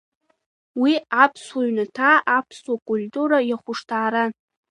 Уи аԥсуа ҩнаҭа, аԥсуа культура иахәышҭааран.